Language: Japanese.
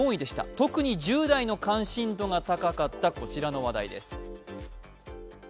特に１０代の関心度が高かったこちらの話題です。